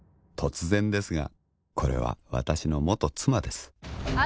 突然ですがこれは私の元妻です